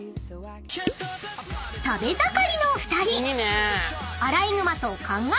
［食べ盛りの２人］